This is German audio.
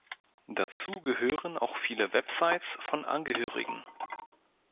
Dazu gehören auch viele Websites von Angehörigen.